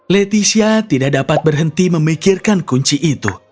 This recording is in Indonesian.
leticia tidak dapat berhenti memikirkan kunci itu